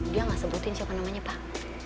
dia nggak sebutin siapa namanya pak